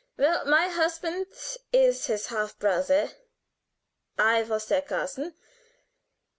Well, my husband is his half brother. I was their cousin.